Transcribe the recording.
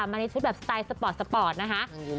มาในชุดแบบสไตล์สปอร์ตนะครับ